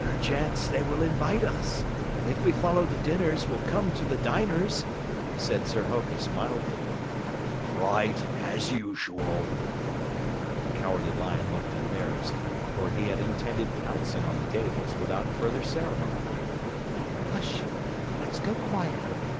"Perchance they will invite us. If we follow the dinners, we'll come to the diners," said Sir Hokus mildly. "Right as usual." The Cowardly Lion looked embarrassed, for he had intended pouncing on the tables without further ceremony. "Hush! Let's go quietly.